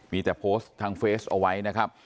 มีแต่โพสต์ทางเฟสเอาไว้นะครับ